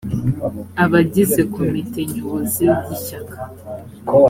abagize komite nyobozi y’ishyaka